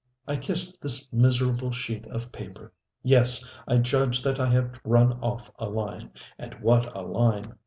I kiss this miserable sheet of paper. Yes, I judge that I have run off a line and what a line!